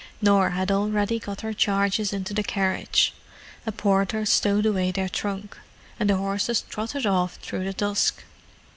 Norah had already got her charges into the carriage: a porter stowed away their trunk, and the horses trotted off through the dusk.